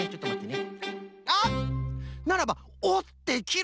あっならばおってきる